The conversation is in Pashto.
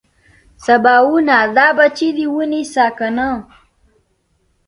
سباوونه دا بچي دې ونيسه کنه.